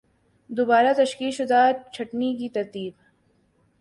دوبارہ تشکیل شدہ چھٹنی کی ترتیب